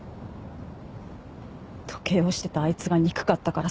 時計をしてたあいつが憎かったから。